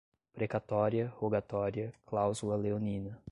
precatória, rogatória, cláusula leonina